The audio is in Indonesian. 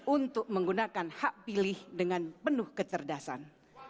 untuk menggunakan hak pilih dengan penuh kecerdasan